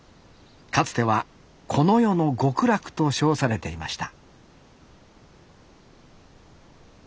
かつてはこの世の極楽と称されていました